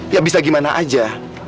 ya bisa gimana aja